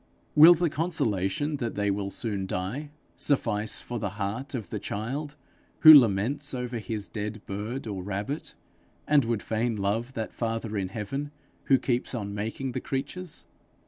Will the consolation that they will soon die, suffice for the heart of the child who laments over his dead bird or rabbit, and would fain love that father in heaven who keeps on making the creatures?